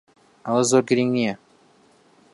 ئەوە زۆر گرنگ نییە.